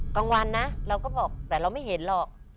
กลางวันนะเราก็บอกแต่เราไม่เห็นหรอก